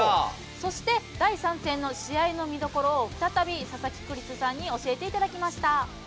そして第３戦の試合の見どころを再び佐々木クリスさんに教えていただきました。